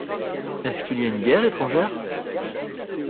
Est-ce qu’il y a une guerre étrangère?